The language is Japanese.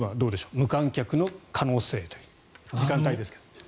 無観客の可能性という時間帯ですけれど。